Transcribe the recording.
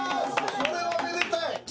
これはめでたい。